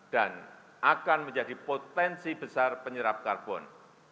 dan akan menjadi potensi besar penyerap karbon